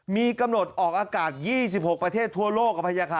มีกำหนดออกอากาศ๒๖ประเทศทั่วโลกครับพระยะค่ะ